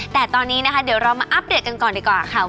แต่ตอนนี้นะคะเดี๋ยวเรามาอัปเดตกันก่อนดีกว่าค่ะ